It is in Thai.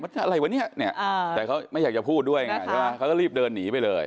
อะไรวะเนี่ยแต่เขาไม่อยากจะพูดด้วยไงเขาเรียบเดินหนีไปเลย